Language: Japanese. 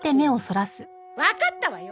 わかったわよ！